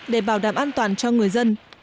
để bảo đảm an toàn cho người dân